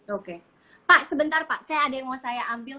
oke pak sebentar pak saya ada yang mau saya ambil